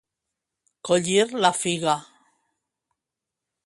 Collir la figa.